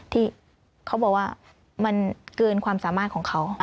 ที่เขาบอกว่ามันเกินความสามารถของเขา